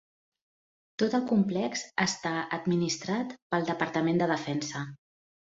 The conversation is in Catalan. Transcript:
Tot el complex està administrat pel Departament de Defensa.